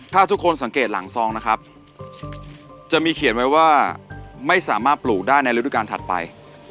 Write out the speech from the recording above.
ถ้าทุกคนสังเกตหลังซองนะครับจะมีเขียนไว้ว่าไม่สามารถปลูกได้ในฤดูการถัดไป